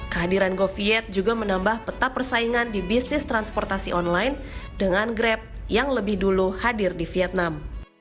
kehadiran goviet juga menambah peta persaingan di bisnis transportasi online dengan grab yang lebih dulu hadir di vietnam